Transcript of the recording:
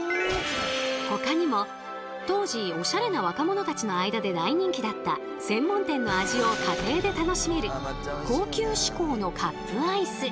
ほかにも当時おしゃれな若者たちの間で大人気だった専門店の味を家庭で楽しめる高級志向のカップアイス。